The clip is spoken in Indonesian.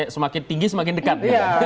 semakin tinggi semakin dekat